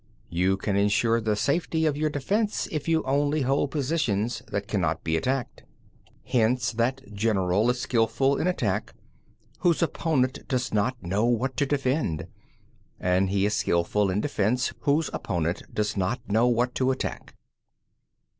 You can ensure the safety of your defence if you only hold positions that cannot be attacked. 8. Hence that general is skilful in attack whose opponent does not know what to defend; and he is skilful in defence whose opponent does not know what to attack.